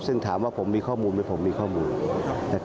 ซึ่งถามว่าผมมีข้อมูลไหมผมมีข้อมูล